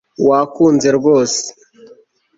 wakunze rwose